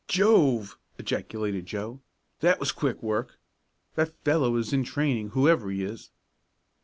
"Jove!" ejaculated Joe. "That was quick work. That fellow is in training, whoever he is."